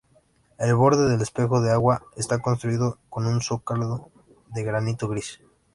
El borde del espejo de agua está construido con un zócalo de granito gris.